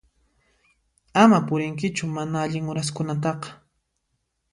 Ama purinkichu mana allin uraskunataqa.